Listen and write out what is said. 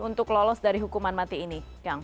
untuk lolos dari hukuman mati ini